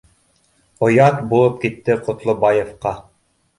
Оят булып китте Ҡотлобаевҡа